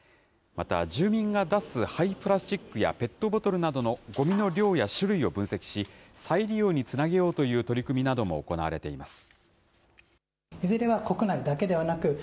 また、住民が出す廃プラスチックやペットボトルなどのごみの量や種類を分析し、再利用につなげようという取り組みなども行われています。